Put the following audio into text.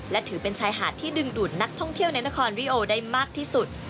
และถือเป็นชายหาดที่ดึงดูดนักท่องเที่ยวในนครวิโอได้มากที่สุด